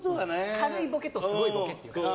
軽いボケとすごいボケって感じ。